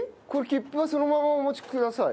切符はそのままお持ちください。